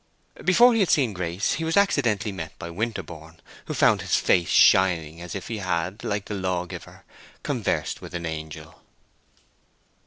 Before he had seen Grace, he was accidentally met by Winterborne, who found his face shining as if he had, like the Law giver, conversed with an angel.